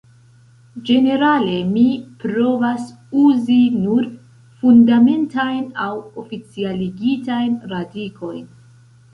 Ĝenerale mi provas uzi nur Fundamentajn aŭ oficialigitajn radikojn.